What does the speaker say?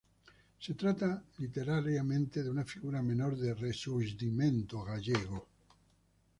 Se trata, literariamente, de una figura menor del "Rexurdimento" gallego.